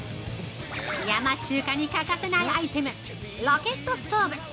◆山中華に欠かせないアイテムロケットストーブ。